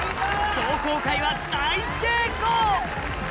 壮行会は大成功！